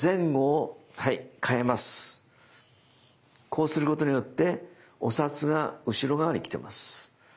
こうすることによってお札が後ろ側に来てます。